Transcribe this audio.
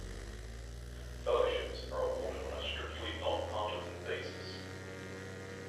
Fellowships are awarded on a strictly non-partisan basis.